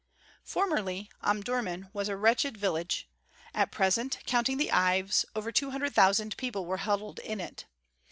Formerly Omdurmân was a wretched village; at present, counting the ives, over two hundred thousand people were huddled in it.